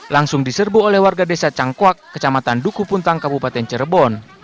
langsung diserbu oleh warga desa cangkwak kecamatan duku puntang kabupaten cirebon